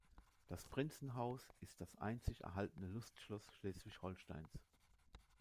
Das Prinzenhaus ist das einzig erhaltene Lustschloss Schleswig-Holsteins.